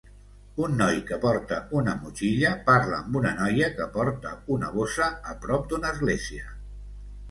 Un noi que porta una motxilla parla amb una noia que porta una bossa a prop d'una església.